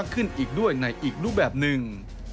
ขึ้นอีกด้วยในอีกรูปแบบหนึ่ง